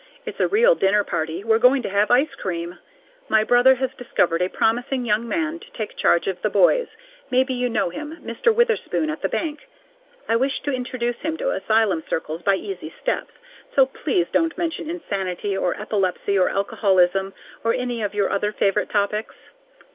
It's a real dinner party; we're going to have ice cream. My brother has discovered a promising young man to take charge of the boys, maybe you know him, Mr. Witherspoon, at the bank. I wish to introduce him to asylum circles by easy steps, so PLEASE don't mention insanity or epilepsy or alcoholism or any of your other favorite topics.